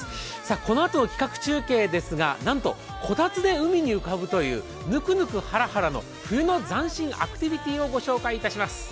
このあとの企画中継ですがなんとこたつで海に浮かぶというぬくぬくハラハラの冬の斬新アクティビティーをご紹介いたします。